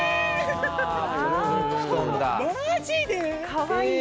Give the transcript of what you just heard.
かわいい。